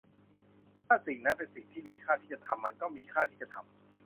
ถ้าสิ่งนั้นเป็นสิ่งที่มีค่าที่จะทำ มันก็มีค่าที่จะทำ